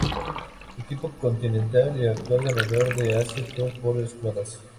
Equipo Continental y actual ganador del Asia tour por escuadras.